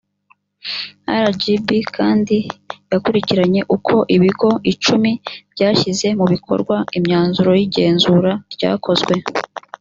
rgb kandi yakurikiranye uko ibigo icumi byashyize mu bikorwa imyanzuro y igenzura ryakozwe